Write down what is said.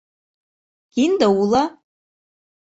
Кинде уло.